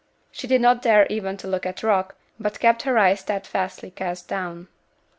She did not dare even to look at Rock, but kept her eyes steadfastly cast down.